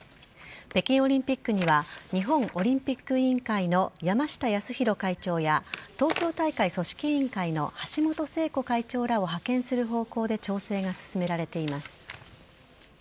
北京オリンピックには日本オリンピック委員会の山下泰裕会長や東京大会組織委員会の橋本聖子会長らを派遣する方向で調整が進められています。